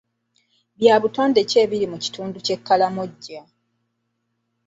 Bya butonde ki ebiri mu kitundu ky'e Karamoja?